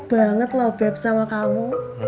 mirip banget loh beb sama kamu